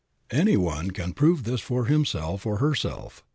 Any one can prove this for himself or herself.